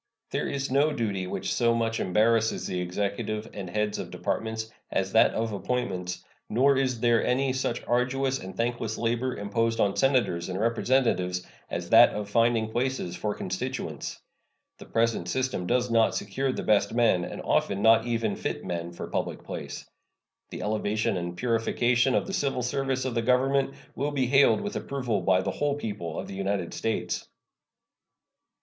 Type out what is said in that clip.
There is no duty which so much embarrasses the Executive and heads of Departments as that of appointments, nor is there any such arduous and thankless labor imposed on Senators and Representatives as that of finding places for constituents. The present system does not secure the best men, and often not even fit men, for public place. The elevation and purification of the civil service of the Government will be hailed with approval by the whole people of the United States.